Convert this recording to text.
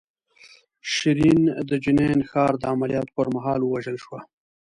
شیرین د جنین ښار د عملیاتو پر مهال ووژل شوه.